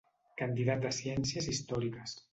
Candidat de Ciències Històriques.